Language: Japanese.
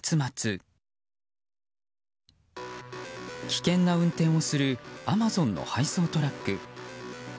危険な運転をするアマゾンの配送トラック。